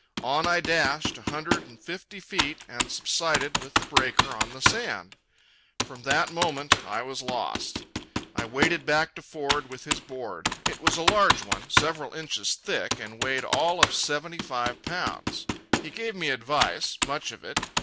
On I dashed, a hundred and fifty feet, and subsided with the breaker on the sand. From that moment I was lost. I waded back to Ford with his board. It was a large one, several inches thick, and weighed all of seventy five pounds. He gave me advice, much of it.